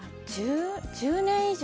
１０年以上。